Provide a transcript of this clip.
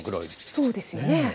そうですよね。